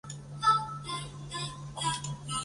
曾居住于魁北克梅戈格镇。